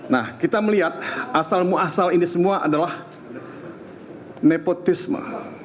nah kita melihat asal muasal ini semua adalah nepotisme